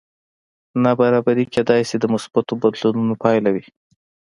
نابرابري کېدی شي د مثبتو بدلونونو پایله وي